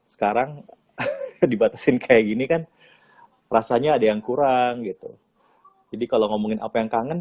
sekarang dibatasin kayak gini kan rasanya ada yang kurang gitu jadi kalau ngomongin apa yang kangen